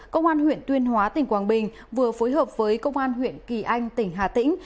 công an huyện tuyên hóa tỉnh quảng bình vừa phối hợp với công an huyện kỳ anh tỉnh hà tĩnh